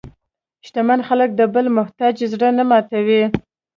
شتمن خلک د بل محتاج زړه نه ماتوي.